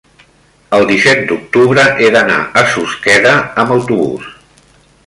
el disset d'octubre he d'anar a Susqueda amb autobús.